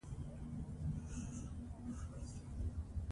ازادي راډیو د کډوال په اړه د خلکو نظرونه خپاره کړي.